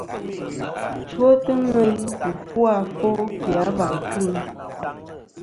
Chwotɨ ŋweyn wù fu afo ki a và kɨŋ.